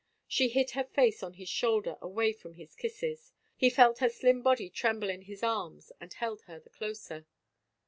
She hid her face on his shoulder away from his kisses. He felt her slim body tremble in his arms and held her the closer.